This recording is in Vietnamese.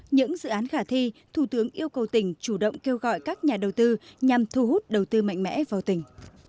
những dự án khả thi thủ tướng yêu cầu tỉnh chủ động kêu gọi các nhà đầu tư nhằm thu hút đầu tư mạnh mẽ vào tỉnh